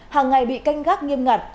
hàng ngày bị canh gác nghiêm ngặt